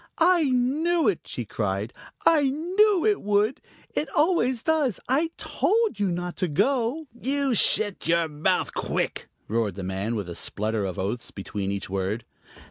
"I knew it!" she cried. "I knew it would! It always does. I told you not to go." "You shet your mouth quick!" roared the man, with a splutter of oaths between each word.